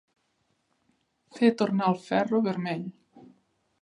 Fer tornar el ferro vermell.